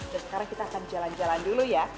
dan sekarang kita akan jalan jalan dulu ya